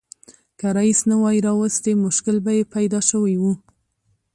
که رییس نه وای راوستي مشکل به یې پیدا شوی و.